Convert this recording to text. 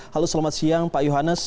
halo selamat siang pak yohannes